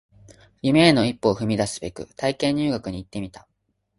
夢への一歩を踏み出すべく体験入学に行ってみた